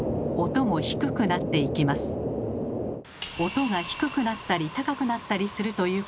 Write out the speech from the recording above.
音が低くなったり高くなったりするということは。